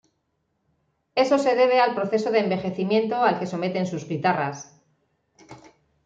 Eso se debe al proceso de envejecimiento al que someten sus guitarras.